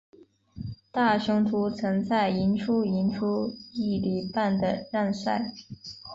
大雄图曾在赢出赢出一哩半的让赛。